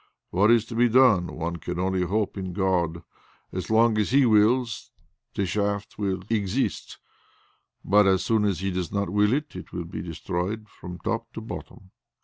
"What is to be done? One can only hope in God. As long as He wills, the shaft will exist, but as soon as He does not will it, it will be destroyed from top to bottom."